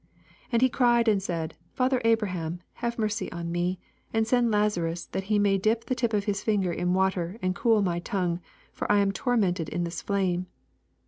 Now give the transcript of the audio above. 24 And he cried and said, Father Abrah/ira, have mercy on me, and send Lazarus, that he may dip the tip of his finger in water, and cool my tongue ; for I am tormented in this fiame.